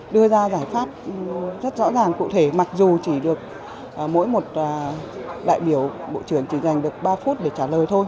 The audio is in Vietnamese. đưa ra giải pháp rất rõ ràng cụ thể mặc dù chỉ được mỗi một đại biểu bộ trưởng chỉ dành được ba phút để trả lời thôi